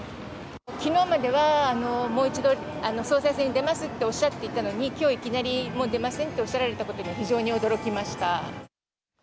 きのうまでは、もう一度、総裁選に出ますっておっしゃっていたのに、きょういきなり、もう出ませんとおっしゃられたことには、非常に驚きました。